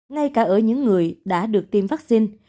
ngay cả ở những người đã được tiêm vaccine